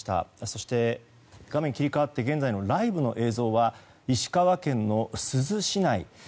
そして、画面切り替わって現在のライブの映像は石川県珠洲市内。